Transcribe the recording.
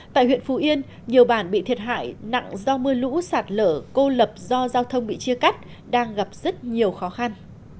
tại huyện phú yên nhiều bản bị thiệt hại nặng do mưa lũ sạt lở cô lập do giao thông bị chia cắt đang gặp rất nhiều khó khăn